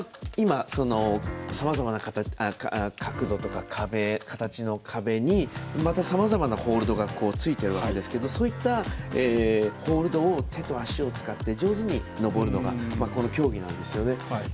さまざまな角度とか形の壁にまた、さまざまなホールドがついているわけですけどそういったホールドを手と足を使って上手に登るのがこの競技なんですよね。